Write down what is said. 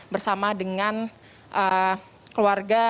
bersama dengan sang ayah samuel huta barat